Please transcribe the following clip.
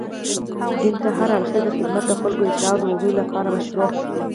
دين ته هر اړخيزه خدمت، د خلګو اصلاح او د هغوی لپاره مشروع